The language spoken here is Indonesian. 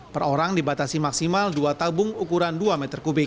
per orang dibatasi maksimal dua tabung ukuran dua meter kubik